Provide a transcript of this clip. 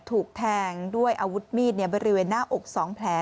ถูกแทงด้วยอาวุธมีดบริเวณหน้าอก๒แผล